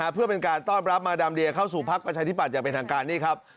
เพื่อเป็นการต้อนรับมาดามเดียเข้าสู่พักประชาธิบัตย์อย่างเป็นทางการนี่ครับ